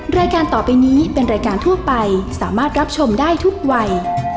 รายการต่อไปนี้เป็นรายการทั่วไปสามารถรับชมได้ทุกวัย